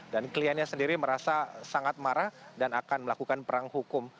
dan kliennya sendiri merasa sangat marah dan akan melakukan perang hukum